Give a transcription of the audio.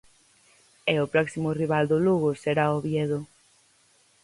E o próximo rival do Lugo será o Oviedo.